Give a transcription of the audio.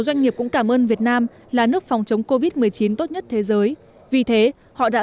doanh nghiệp cũng cảm ơn việt nam là nước phòng chống covid một mươi chín tốt nhất thế giới vì thế họ đã